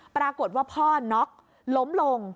ปรากฏว่าพ่อน็อกล้มลง